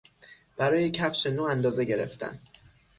برای کفش نو اندازه گرفتن